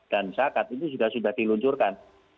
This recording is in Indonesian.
dan syakat itu juga sudah diluncurkan